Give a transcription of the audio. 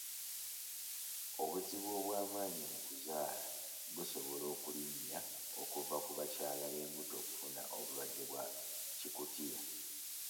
Obuzibu obw'amaanyi mu kuzaala busobola okulinnya okuva ku bakyala b'embuto okufuna obulwadde bwa Kikutiya